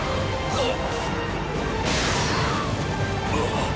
あっ！